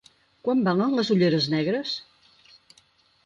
Quant valen les ulleres negres?